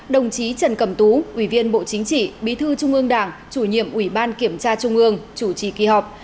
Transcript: đồng chí trần cầm tú ubch bí thư trung ương đảng chủ nhiệm ubkt chủ trì kỳ họp